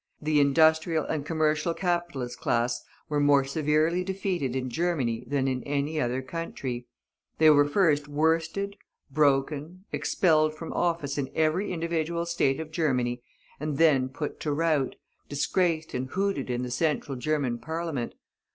The industrial and commercial capitalist class were more severely defeated in Germany than in any other country; they were first worsted, broken, expelled from office in every individual State of Germany, and then put to rout, disgraced and hooted in the Central German Parliament.